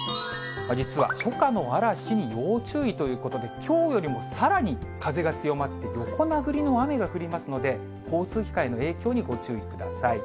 実は初夏の嵐に要注意ということで、きょうよりもさらに風が強まって、横殴りの雨が降りますので、交通機関への影響にご注意ください。